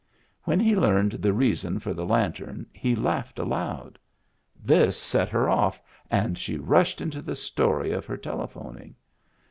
When he learned the reason for the lantern he laughed aloud. This set her off and she rushed into the story of her telephoning.